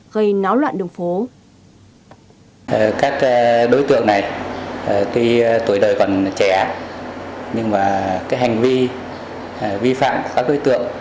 gây náo loạn đường phố